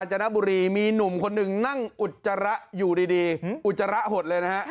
จนบุรีมีหนุ่มคนหนึ่งนั่งอุจจาระอยู่ดีอุจจาระหดเลยนะฮะ